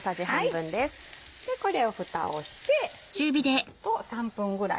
これをふたをしてちょっと３分ぐらいね